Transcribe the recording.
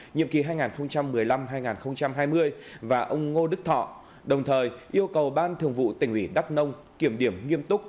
nhiệm kỳ hai nghìn một mươi năm hai nghìn hai mươi và ông ngô đức thọ đồng thời yêu cầu ban thường vụ tỉnh ủy đắk nông kiểm điểm nghiêm túc